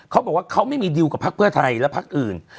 เขาบอกว่าเขาไม่มีดิวกับพักเพื่อไทยและพักอื่น